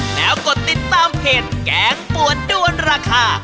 แล้วกดติดตามเพจแกงปวดด้วนราคา